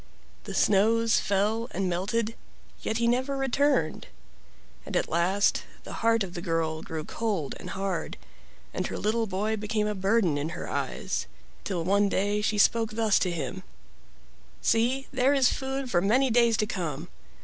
The snows fell and melted, yet he never returned, and at last the heart of the girl grew cold and hard and her little boy became a burden in her eyes, till one day she spoke thus to him: "See, there is food for many days to come.